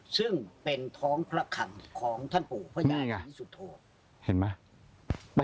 ซึ่งเป็นท้องพระคังของท่านปู่พระยาทีสุธธงศ์นี่ไง